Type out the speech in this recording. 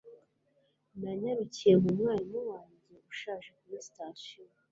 Nanyarukiye mu mwarimu wanjye ushaje kuri sitasiyo